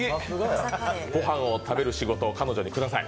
ごはんを食べる仕事を彼女にください